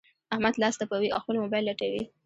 احمد لاس تپوي؛ او خپل مبايل لټوي.